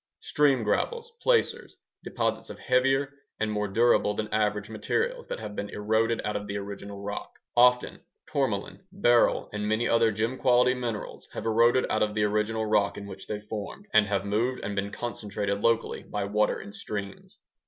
Stream gravels (placers)ŌĆödeposits of heavier and more durable than average minerals that have been eroded out of the original rock. Often tourmaline, beryl, and many other gem quality minerals have eroded out of the original rock in which they formed and have moved and been concentrated locally by water in streams.